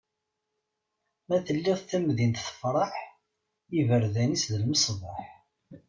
Ma telliḍ tamdint tefreḥ, iberdan-is d lmesbaḥ.